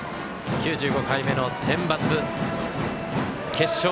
９５回目のセンバツ決勝。